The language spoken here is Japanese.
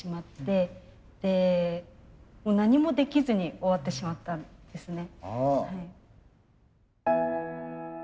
でもう何もできずに終わってしまったんですね。